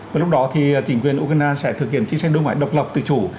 và lúc đó thì chính quyền ukraine sẽ thực hiện chiến tranh đối ngoại độc lập tự chủ